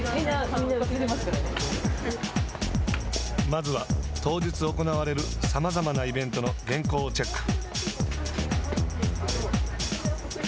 まずは、当日行われるさまざまなイベントの原稿をチェック。